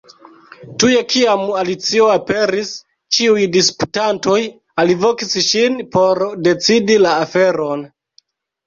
Tuj kiam Alicio aperis, ĉiuj disputantoj alvokis ŝin por decidi la aferon.